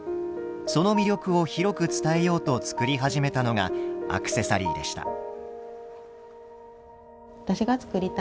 その魅力を広く伝えようと作り始めたのがアクセサリーでした。